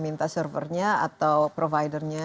meminta servernya atau providernya